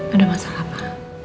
ada masalah apa